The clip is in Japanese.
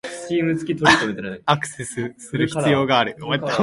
アクセスする必要がある